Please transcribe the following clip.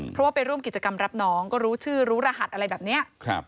เพราะว่าไปร่วมกิจกรรมรับน้องก็รู้ชื่อรู้รหัสอะไรแบบนี้